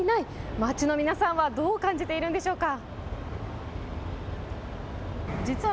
街の皆さんはどう感じているんでしょうか。